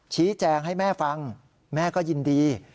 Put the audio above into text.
ชี้แจงให้แม่ฟังแม่ก็ยินดี